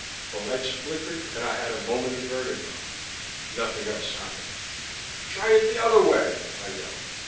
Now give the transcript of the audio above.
The lights flickered and I had a moment of vertigo. Nothing else happened. "Try it the other way," I yelled.